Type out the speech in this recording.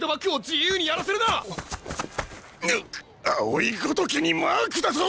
青井ごときにマークだと！？